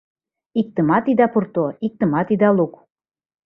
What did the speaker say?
Иктымат ида пурто, иктымат ида лук.